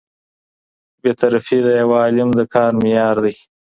بې طرفي د یو عالم د کار معیار دی.